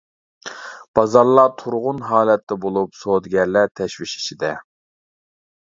بازارلار تۇرغۇن ھالەتتە بولۇپ سودىگەرلەر تەشۋىش ئىچىدە.